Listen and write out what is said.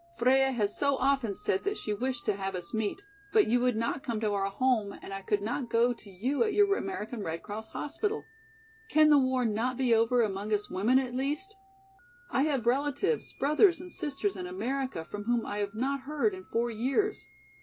"Freia has so often said that she wished to have us meet, but you would not come to our home and I could not go to you at your American Red Cross hospital. Can the war not be over among us women at least? I have relatives, brothers and sisters in America from whom I have not heard in four years.